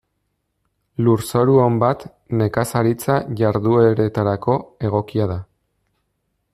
Lurzoru on bat nekazaritza jardueretarako egokia da.